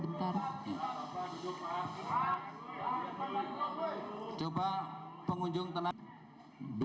apabila terdakwa penasihat hukum dan jaksa penuntut umum akan mengajukan upaya hukum adalah dalam tempo tujuh hari